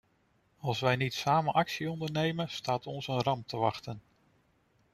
Als wij niet samen actie ondernemen, staat ons een ramp te wachten.